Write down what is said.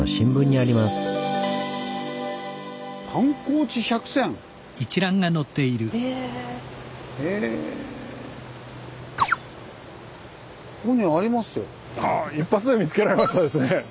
あっ一発で見つけられましたですね！